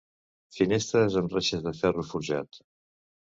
Finestres amb reixes de ferro forjat.